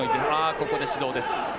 ここで指導です。